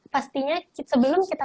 pastinya sebelum kita